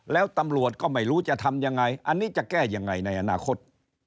แล้วตำรวจก็ไม่รู้จะทำยังไงอันนี้จะแก้ยังไงในอนาคต